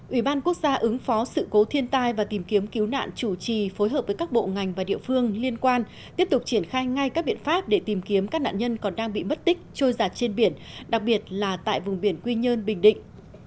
ủy ban quốc gia ứng phó sự cố thiên tai và tìm kiếm cứu nạn chủ trì phối hợp với các bộ ngành và địa phương liên quan tiếp tục triển khai ngay các biện pháp để tìm kiếm các nạn nhân còn đang bị mất tích trôi giặt trên biển đặc biệt là tại vùng biển quy nhơn bình định